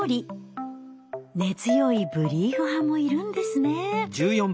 根強いブリーフ派もいるんですね。